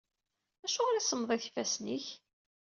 Acuɣer i semmḍit yifassen-ik?